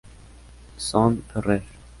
Son Ferrer.